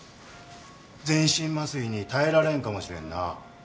全身麻酔に耐えられんかもしれんな。